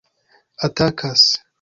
atakas